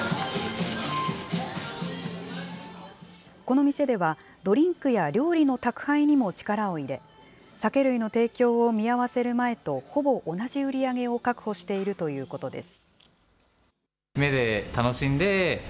この店では、ドリンクや料理の宅配にも力を入れ、酒類の提供を見合わせる前とほぼ同じ売り上げを確保しているということです。